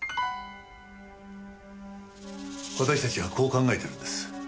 私たちはこう考えてるんです。